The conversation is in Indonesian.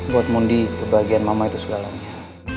buat mundi kebahagiaan mama itu segalanya